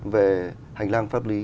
về hành lang pháp lý